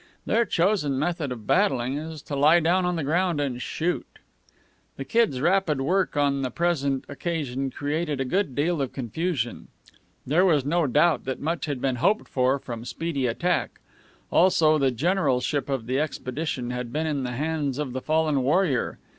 Their chosen method of battling is to lie down on the ground and shoot. The Kid's rapid work on the present occasion created a good deal of confusion. There was no doubt that much had been hoped for from speedy attack. Also, the generalship of the expedition had been in the hands of the fallen warrior.